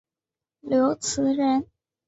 刘词人。